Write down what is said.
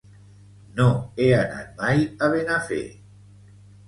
No he anat mai a Benafer.